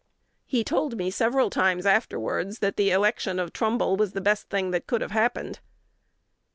He told me several times afterwards, that the election of Trumbull was the best thing that could have happened."